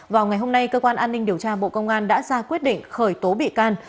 vào ngày hôm nay cơ quan an ninh điều tra bộ công an đã ra quyết định khởi tố bị can